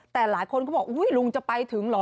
แต่หลายคนก็บอกอุ๊ยลุงจะไปถึงเหรอ